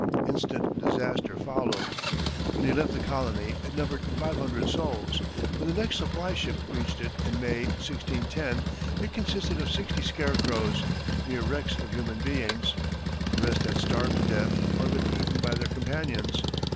Instant disaster followed. When he left the colony, it numbered five hundred souls; when the next supply ship reached it in May, 1610, it consisted of sixty scarecrows, mere wrecks of human beings. The rest had starved to death or been eaten by their companions!